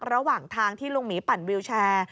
ระหว่างทางที่ลุงหมีปั่นวิวแชร์